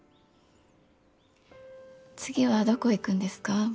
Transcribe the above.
次はどこ行くんですか？